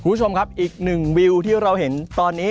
คุณผู้ชมครับอีกหนึ่งวิวที่เราเห็นตอนนี้